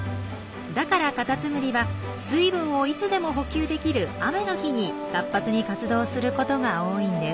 だからカタツムリは水分をいつでも補給できる雨の日に活発に活動することが多いんです。